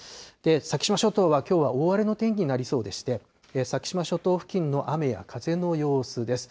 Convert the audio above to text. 先島諸島はきょうは大荒れの天気になりそうでして、先島諸島付近の雨や風の様子です。